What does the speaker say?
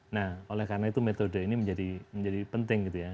nah oleh karena itu metode ini menjadi penting gitu ya